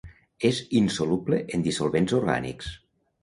És insoluble en dissolvents orgànics.